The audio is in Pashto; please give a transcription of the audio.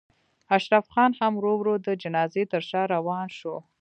اشرف خان هم ورو ورو د جنازې تر شا روان شو.